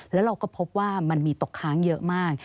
แล้วเราก็พบว่ามันมีตกค้างเยอะมาก